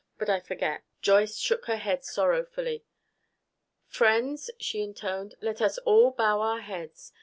"But I forget." Joyce shook her head sorrowfully. "Friends," she intoned, "let us all bow our heads.